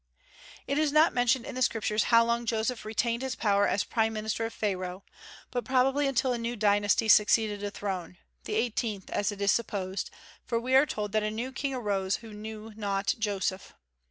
It is not mentioned in the Scriptures how long Joseph retained his power as prime minister of Pharaoh, but probably until a new dynasty succeeded the throne, the eighteenth as it is supposed, for we are told that a new king arose who knew not Joseph.